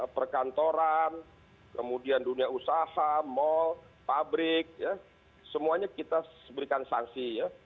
perkantoran kemudian dunia usaha mal pabrik semuanya kita berikan sanksi ya